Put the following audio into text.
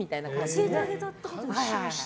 教えてあげたってことですか。